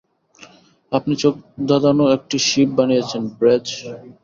আপনি চোখধাঁধানো একটা শিপ বানিয়েছেন, ব্র্যায!